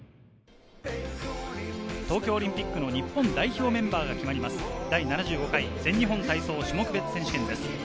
東京オリンピックの日本代表メンバーが決まります、第７５回全日本体操種目別選手権です。